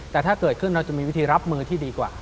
แต่ถ้าเกิดขึ้นเราจะมีวิธีรับมือที่ดีกว่า